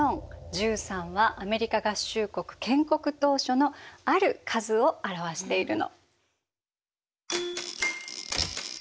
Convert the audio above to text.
１３はアメリカ合衆国建国当初のある数を表しているの。